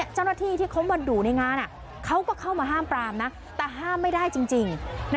เจ้าหน้าที่ที่เขามาดูในงานเขาก็เข้ามาห้ามปรามนะแต่ห้ามไม่ได้จริง